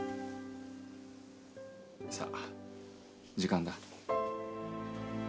さあ時間だ。